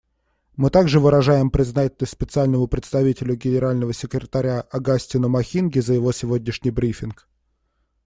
Мы также выражаем признательность Специальному представителю Генерального секретаря Огастину Махиге за его сегодняшний брифинг.